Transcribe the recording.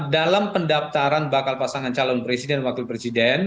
dalam pendaftaran bakal pasangan calon presiden dan wakil presiden